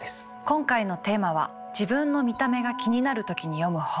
今回のテーマは「自分の見た目が気になる時に読む本」です。